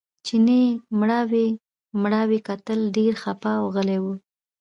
چیني مړاوي مړاوي کتل ډېر خپه او غلی و.